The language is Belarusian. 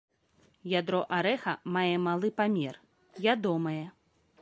Ядро арэха мае малы памер, ядомае.